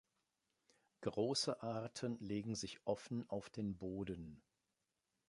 Große Arten legen sich offen auf den Boden.